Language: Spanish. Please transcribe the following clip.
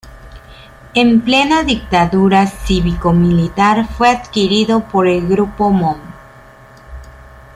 En plena dictadura cívico-militar fue adquirido por el grupo Moon.